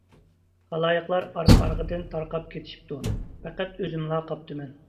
خالايىقلار ئارقا-ئارقىدىن تارقاپ كېتىشىپتۇ، پەقەت ئۆزۈملا قاپتىمەن.